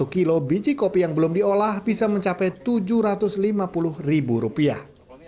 dua puluh kilo biji kopi yang belum diolah bisa mencapai tujuh ratus lima puluh ribu rupiah